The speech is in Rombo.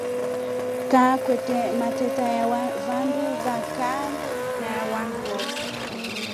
Kaa kwete mateta ya wandu wa kaa ya wana wose.